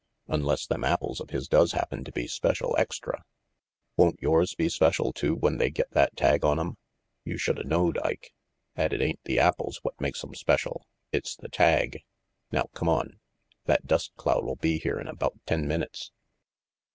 "Unless them apples of his does happen to be special extra " "Won't yours be special too when they get that tag on 'em? You should a knowed, Ike, 'at it ain't the apples what makes 'em special. It's the tag. Now cummon. That dust cloud'll be here in about ten minutes."